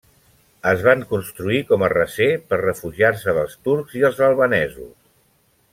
Es van construir com a recer per refugiar-se dels turcs i els albanesos.